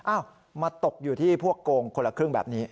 อ้าวมาตกอยู่ที่พวกโกงคนละครึ่งแบบนี้